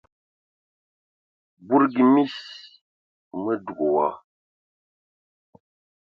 Budugi mis, mə dug wa.